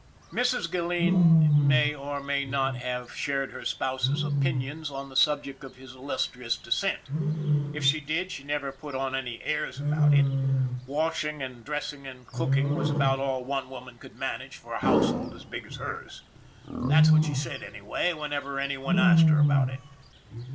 Mrs. Gilleen may or may not have shared her spouse's opinions on the subject of his illustrious descent if she did she never put on any " airs " about it. Washing and dressing and cooking was about all one woman could manage for a household as big as hers. That's what she said anyway, whenever any one asked her about it.